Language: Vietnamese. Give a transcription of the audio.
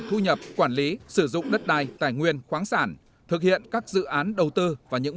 thu nhập quản lý sử dụng đất đai tài nguyên khoáng sản thực hiện các dự án đầu tư và những